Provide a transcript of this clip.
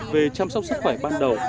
về chăm sóc sức khỏe ban đầu